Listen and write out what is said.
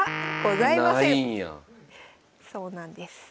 そうなんです。